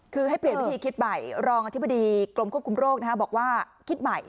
คือให้เปลี่ยนวิธีคิดใหม่รองอธิบดีกรมควบคุมโรคบอกว่าคิดใหม่